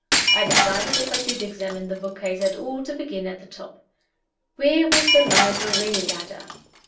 I decided, if I did examine the book case at all, to begin at the top. Where was the library ladder?